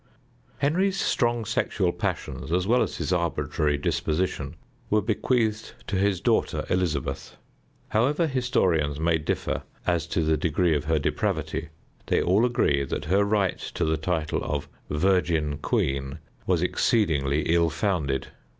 Henry's strong sexual passions, as well as his arbitrary disposition, were bequeathed to his daughter Elizabeth. However historians may differ as to the degree of her depravity, they all agree that her right to the title of "Virgin Queen" was exceedingly ill founded.